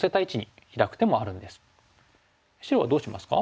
白はどうしますか？